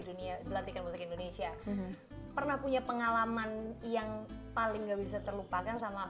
dunia pelatihan musik indonesia pernah punya pengalaman yang paling nggak bisa terlupakan sama